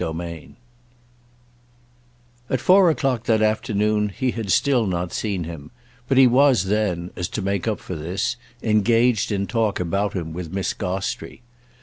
III At four o'clock that afternoon he had still not seen him, but he was then, as to make up for this, engaged in talk about him with Miss Gostrey.